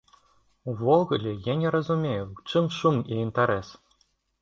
Увогуле я не разумею, у чым шум і інтарэс.